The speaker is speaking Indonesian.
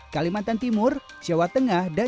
kalimantan timur jawa tengah jawa barat